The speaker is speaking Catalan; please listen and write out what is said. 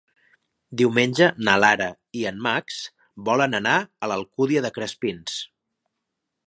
Diumenge na Lara i en Max volen anar a l'Alcúdia de Crespins.